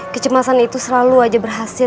kecemasan itu selalu aja berhasil